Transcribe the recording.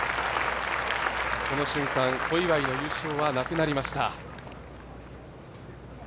この瞬間、小祝の優勝はなくなりました。